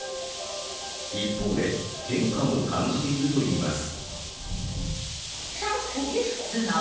一方で、変化も感じているといいます。